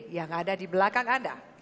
yang ada di belakang anda